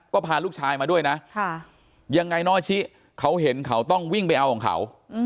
ก็พาลูกชายมาด้วยนะยังไงน้องอาชิเขาเห็นเขาต้องวิ่งไปเอาของเขา